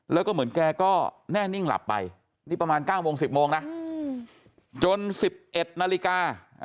แล้วก็เหมือนแกก็แน่นิ่งหลับไปนี่ประมาณ๙โมง๑๐โมงนะจน๑๑นาฬิกา